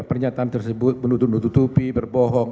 pernyataan tersebut menutup nutupi berbohong